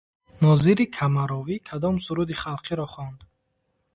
Нозири камаровӣ кадом суруди халқиро хонд?